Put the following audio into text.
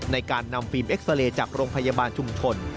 ในการนำฟิล์มเอ็กซาเลจากโรงพยาบาลชุมชน